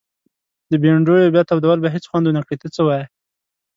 د بنډیو بیا تودول به هيڅ خوند ونکړي ته څه وايي؟